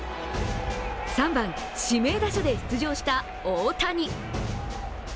３番・指名打者で出場した大谷。